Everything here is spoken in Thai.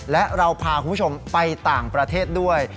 และเราพาคุณผู้ชมไปต่างประเทศด้วย